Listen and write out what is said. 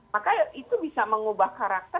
maka itu bisa mengubah karakter